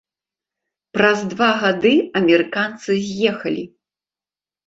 Праз два гады амерыканцы з'ехалі.